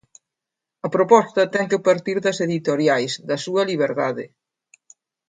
A proposta ten que partir das editoriais, da súa liberdade.